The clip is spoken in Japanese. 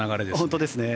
本当ですね。